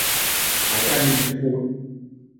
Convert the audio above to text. สายการบินสกู๊ต